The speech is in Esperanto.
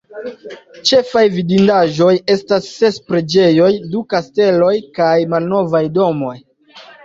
Ĉefaj vidindaĵoj estas ses preĝejoj, du kasteloj kaj malnovaj domoj.